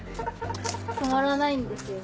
止まらないんですよ。